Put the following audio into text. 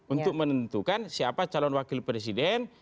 untuk menentukan siapa calon wakil presiden